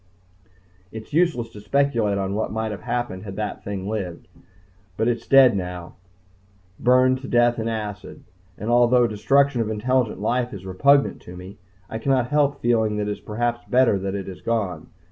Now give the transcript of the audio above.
It is useless to speculate on what might have happened had that thing lived. But it's dead now burned to death in acid. And although destruction of intelligent life is repugnant to me, I cannot help feeling that it is perhaps better that it is gone.